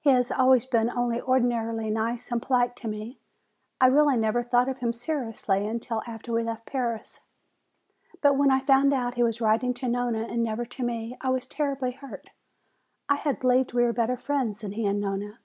He has always been only ordinarily nice and polite to me. I really never thought of him seriously until after we left Paris. Then when I found out he was writing to Nona and never to me, I was terribly hurt. I had believed we were better friends than he and Nona.